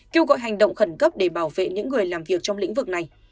kêu gọi hành động khẩn cấp để bảo vệ những người làm việc trong lĩnh vực này